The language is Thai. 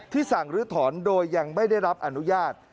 สั่งลื้อถอนโดยยังไม่ได้รับอนุญาต